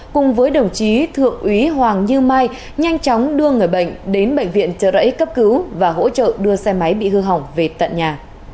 cùng với đồng chí thượng úy hoàng như mai nhanh chóng đưa người bệnh đến bệnh viện trợ rẫy cấp cứu và hỗ trợ đưa xe máy bị hư hỏng về tận nhà